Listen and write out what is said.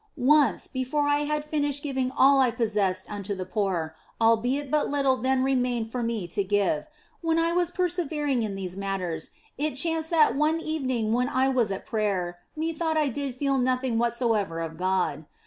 Once, before that I had finished giving all I possessed unto the poor (albeit but little then remained for me to give), when I was persevering in these matters, it chanced that one evening when I was at prayer methought I did feel nothing whatsoever of God.